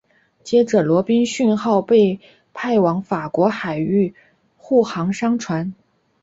接着罗宾逊号被派往法国海域护航商船。